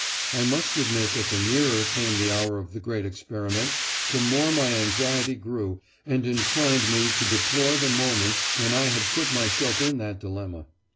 I must admit that the nearer came the hour of the great experiment, the more my anxiety grew and inclined me to deplore the moment when I had put myself in that dilemma.